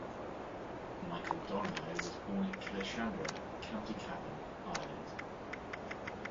Michael Donohoe was born in Killeshandra, County Cavan, Ireland.